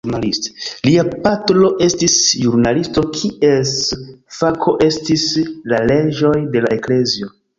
Lia patro estis juristo kies fako estis la leĝoj de la eklezio.